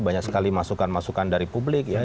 banyak sekali masukan masukan dari publik ya